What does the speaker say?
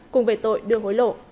cùng về tội đưa hối lộ